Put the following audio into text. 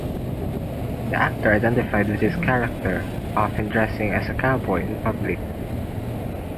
The actor identified with his character, often dressing as a cowboy in public.